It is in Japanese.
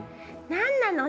何なの？